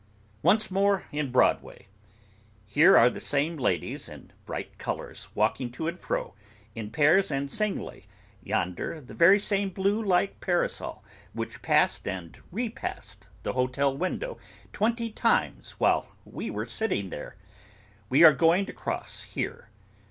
Once more in Broadway! Here are the same ladies in bright colours, walking to and fro, in pairs and singly; yonder the very same light blue parasol which passed and repassed the hotel window twenty times while we were sitting there. We are going to cross here.